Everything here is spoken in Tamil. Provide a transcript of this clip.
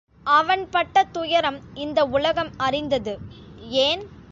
அவன் பட்ட துயரம் இந்த உலகம் அறிந்தது. ஏன்?